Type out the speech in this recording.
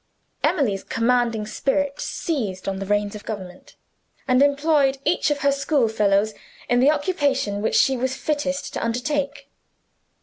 Emily's commanding spirit seized on the reins of government, and employed each of her schoolfellows in the occupation which she was fittest to undertake.